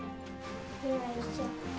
よいしょ。